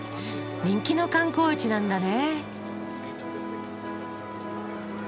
人気の観光地なんだね。